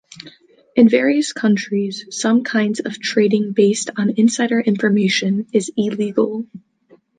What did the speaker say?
In various countries, some kinds of trading based on insider information is illegal.